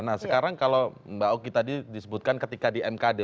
nah sekarang kalau mbak oki tadi disebutkan ketika di mkd